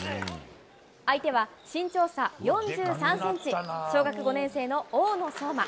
相手は身長差４３センチ、小学５年生の大野颯真。